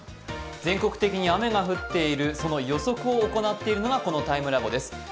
全国的に雨が降っているその予測を行っているのがこのＴＩＭＥＬＡＢＯです。